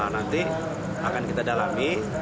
nanti akan kita dalami